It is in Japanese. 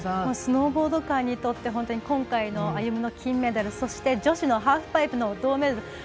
スノーボード界にとって今回の歩夢の金メダルそして、女子のハーフパイプの銅メダル。